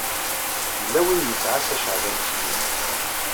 Yella win i yettɛassa Caɛban U Sliman.